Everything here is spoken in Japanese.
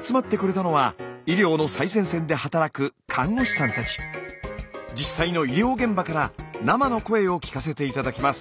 集まってくれたのは医療の最前線で働く実際の医療現場から生の声を聞かせて頂きます。